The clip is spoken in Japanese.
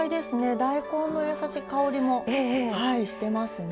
大根のやさしい香りもしてますね。